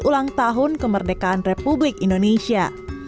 ulang tahun kemerdekaan republik indonesia